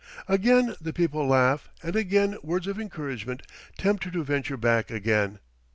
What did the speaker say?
Again the people laugh, and again words of encouragement tempt her to venture back again.